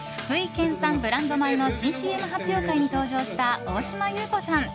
県産ブランド米の新ＣＭ発表会に登場した大島優子さん。